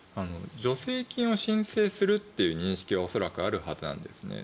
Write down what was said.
助成金を申請するという認識は恐らくあるはずなんですね。